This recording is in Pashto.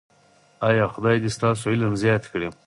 ایا خدای دې ستاسو علم زیات کړي؟